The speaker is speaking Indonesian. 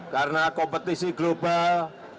karena kompetisi global